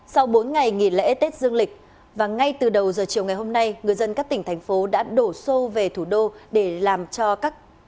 sau bốn ngày nghỉ lễ tết dương lịch và ngay từ đầu giờ chiều ngày hôm nay người dân các tỉnh thành phố đã đổ xô về thủ đô để làm cho các tỉnh thành phố đổ xô về thủ đô